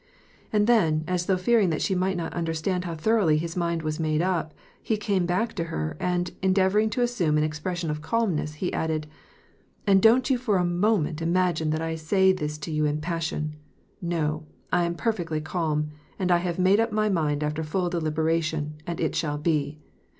And then, as though fearing that she might not understand how thoroughly his mind was made up, he came back to her, and, endeavoring to assume an expression of calmness, he added, " And don't you for a moment imagine that I say this to you in passion ; no, I am perfectly calm, and I have made up my mind after full deliberation, and it shall be.